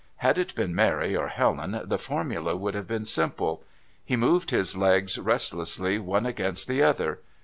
Had it been Mary or Helen the formula would have been simple. He moved his legs restlessly one against the other.